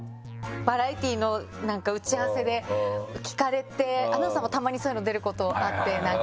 バラエティーの打ち合わせで聞かれてアナウンサーもたまにそういうの出ることあって。